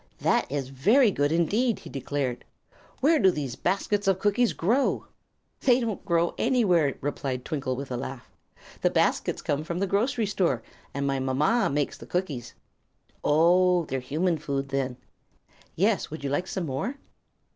"That is very good, indeed!" he declared. "Where do these baskets of cookies grow?" "They don't grow anywhere," replied Twinkle, with a laugh. "The baskets come from the grocery store, and my mama makes the cookies." "Oh; they're human food, then." "Yes; would you like some more?"